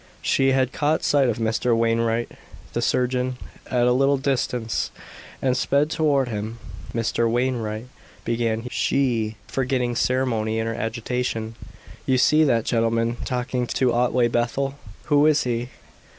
She had caught sight of Mr. Wainwright, the surgeon, at a little distance, and sped toward him. "Mr. Wainwright," began she, forgetting ceremony in her agitation, "you see that gentleman talking to Otway Bethel who is he?"